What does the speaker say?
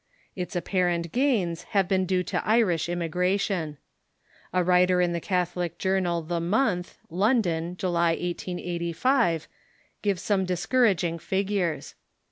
Its apparent gains have been due to Irish immigration. A writer in the Catholic journal the Month (London), July, 1885, gives some discouraging figures.